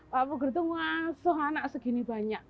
pak puger tuh masuk anak segini banyak